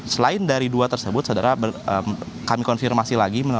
selain dari dua tersebut saudara kami konfirmasi lagi